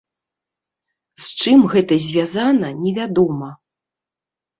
З чым гэта звязана невядома.